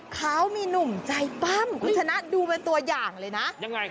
เขามีหนุ่มใจปั้มคุณชนะดูเป็นตัวอย่างเลยนะยังไง